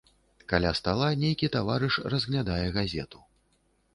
Каля стала нейкі таварыш разглядае газету.